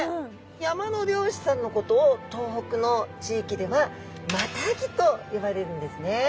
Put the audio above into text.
山の猟師さんのことを東北の地域ではマタギといわれるんですね。